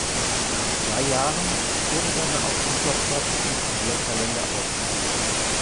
Nach zwei Jahren wurde dann auch dieser Platz im Turnierkalender aufgegeben.